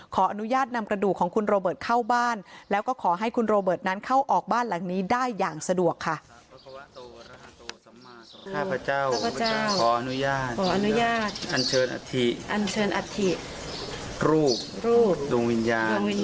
ขออนุญาตนำกระดูกของคุณโรเบิร์ตเข้าบ้านแล้วก็ขอให้คุณโรเบิร์ตนั้นเข้าออกบ้านหลังนี้ได้อย่างสะดวกค่ะ